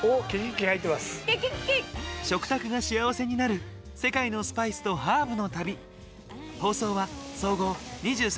食卓が幸せになる世界のスパイスとハーブの旅。